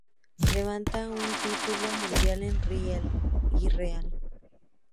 Levantar un título mundial es irreal".